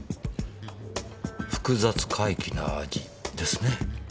複雑怪奇な味ですね。